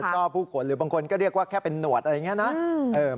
ก็ผู้ขนหรือบางคนก็เรียกว่าแค่เป็นหนวดอะไรอย่างนี้นะ